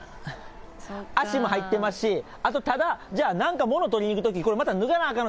足も入ってますし、あと、ただ、なんかものを取りに行くとき、これ、また脱がなあかなあ